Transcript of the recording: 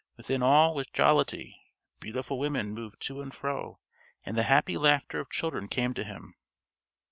Within all was jollity; beautiful women moved to and fro, and the happy laughter of children came to him.